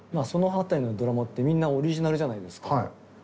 その辺りのドラマってみんなオリジナルじゃないですか。